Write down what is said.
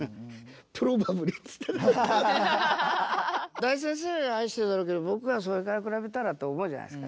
大先生は愛してるだろうけど僕はそれから比べたらと思うじゃないですか。